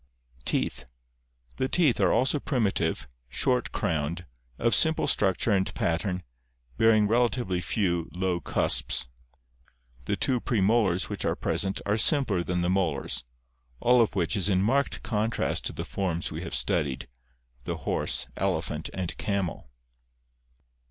Teeth. — The teeth are also primitive, short crowned, of simple structure and pattern, bearing relatively few, low cusps. The two premolars which are present are simpler than the molars, all of which is in marked contrast to the forms we have studied — the horse, elephant, and camel.